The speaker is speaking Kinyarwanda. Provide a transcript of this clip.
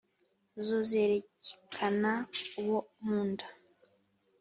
zo kwerekaana uwo nkunda